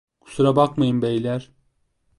Kusura bakmayın beyler.